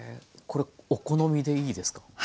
これお好みでいいですか？